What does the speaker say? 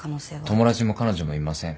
友達も彼女もいません。